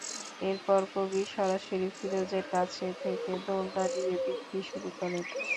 এরপর কবির সরাসরি ফিরোজের কাছ থেকে দোলনা নিয়ে বিক্রি শুরু করেন।